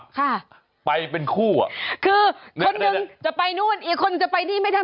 ค่ะไปเป็นคู่อ่ะคือคนหนึ่งจะไปนู่นอีกคนจะไปนี่ไม่ได้